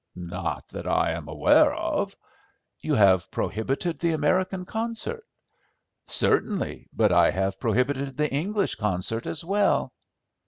"Not that I am aware of." "You have prohibited the American concert?" "Certainly. But I have prohibited the English concert as well."